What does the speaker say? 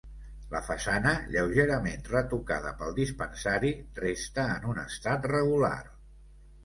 La façana, lleugerament retocada pel dispensari, resta en un estat regular.